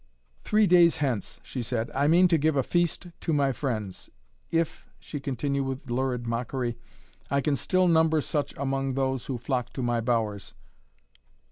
"Three days hence," she said, "I mean to give a feast to my friends, if," she continued with lurid mockery, "I can still number such among those who flock to my bowers.